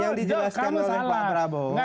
yang dijelaskan oleh pak prabowo